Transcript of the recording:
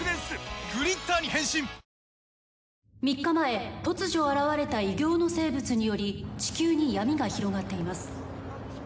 ３日前突如現れた異形の生物により地球に闇が広がっています。